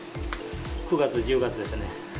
９月、１０月ですね。